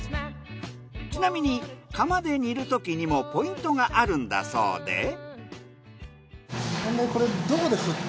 ちなみに釜で煮るときにもポイントがあるんだそうで。